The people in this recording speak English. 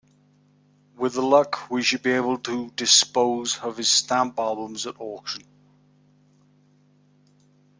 With luck, we should be able to dispose of his stamp albums at auction